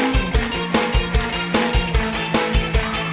อย่างนั้นพี่